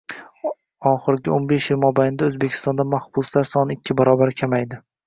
Oxirgi o'n besh yil mobaynida O'zbekistonda mahbuslar soni ikki barobar kamaydi